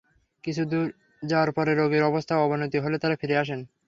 কিছু দূর যাওয়ার পরে রোগীর অবস্থার অবনতি হলে তাঁরা ফিরে আসেন।